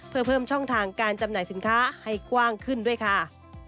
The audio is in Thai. เพื่อเพิ่มช่องทางการจำหน่ายสินค้าให้กว้างขึ้นด้วยค่ะ